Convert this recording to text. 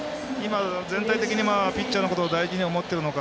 全体的にピッチャーのことを大事に思っているのか。